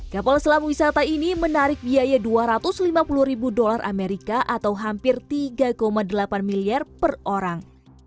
kapal selam wisata ini menarik biaya dua ratus lima puluh ribu dolar amerika atau hampir tiga delapan miliar per orang